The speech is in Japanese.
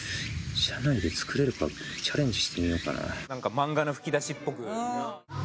漫画の吹き出しっぽく。